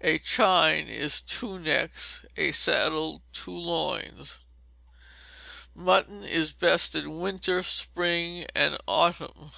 A chine is two necks; a saddle, two loins. _Mutton is best in winter, spring, and autumn.